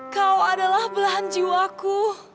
kau adalah belahan jiwaku